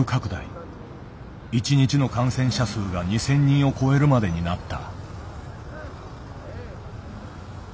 １日の感染者数が２，０００人を超えるまでになった。